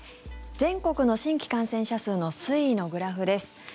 全国の新規感染者数の推移のグラフです。